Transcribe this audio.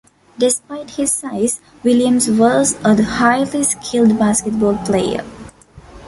Despite his size, Williams was a highly skilled basketball player.